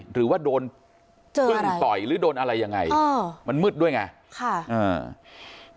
หรือว่าโดนพึ่งต่อยหรือโดนอะไรยังไงมันมืดด้วยไงค่ะอ่า